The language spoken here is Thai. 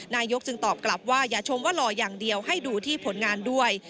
นายกจึงตอบกลับว่าอย่าชมว่าหล่ออย่างเดียวให้ดูที่ผลงานด้วย